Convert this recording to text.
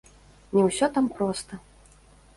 Не ўсё там проста.